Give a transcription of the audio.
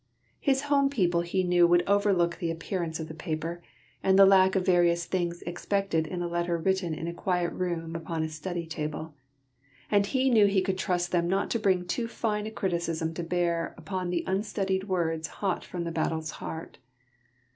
His home people he knew would overlook the appearance of the paper and the lack of various things expected in a letter written in a quiet room upon a study table. And he knew he could trust them not to bring too fine a criticism to bear upon the unstudied words hot from the battle's heart.